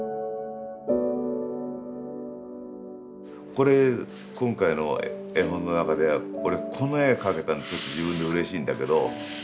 これ今回の絵本の中では俺この絵描けたのちょっと自分でうれしいんだけど。